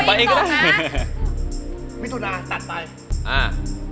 พฤษภา